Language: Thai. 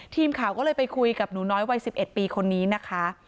ทีมข่าวก็เลยไปคุยกับหนูน้อยวัย๑๑ปีคนนี้นะคะ